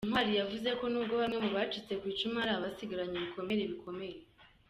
Ntwali yavuze ko nubwo bamwe mu bacitse ku icumu hari abasigaranye ibikomere bikomere.